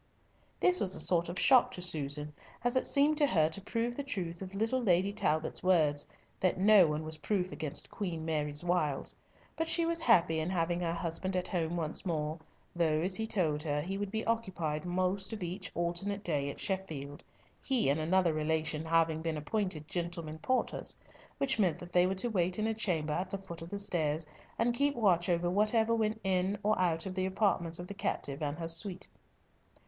This was a sort of shock to Susan, as it seemed to her to prove the truth of little Lady Talbot's words, that no one was proof against Queen Mary's wiles; but she was happy in having her husband at home once more, though, as he told her, he would be occupied most of each alternate day at Sheffield, he and another relation having been appointed "gentlemen porters," which meant that they were to wait in a chamber at the foot of the stairs, and keep watch over whatever went in or out of the apartments of the captive and her suite.